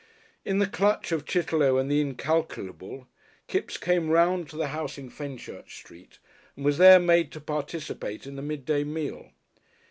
In the clutch of Chitterlow and the Incalculable, Kipps came round to the house in Fenchurch Street and was there made to participate in the midday meal.